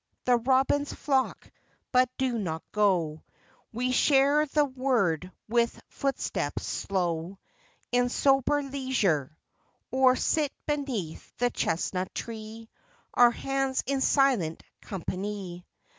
The robins flock, but do not go ; We share the word with footsteps slow, In sober leisure, Or sit beneath the chestnut tree, Our hands in silent company.